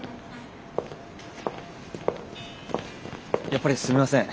やっぱりすみません。